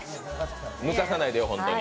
抜かさないでよ、ホントに。